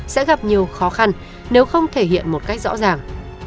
sẽ gặp nhiều khó khăn nếu không thể hiện một cách rõ ràng